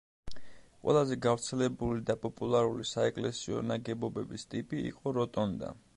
ყველაზე გავრცელებული და პოპულარული საეკლესიო ნაგებობების ტიპი იყო როტონდა.